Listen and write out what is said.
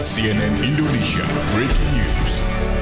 cnn indonesia breaking news